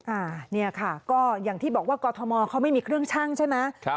อ่าเนี่ยค่ะก็อย่างที่บอกว่ากรทมเขาไม่มีเครื่องชั่งใช่ไหมครับ